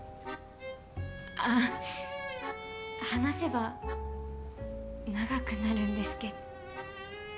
あ話せば長くなるんですけど。